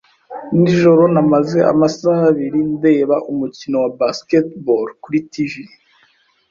Nijoro namaze amasaha abiri ndeba umukino wa baseball kuri TV.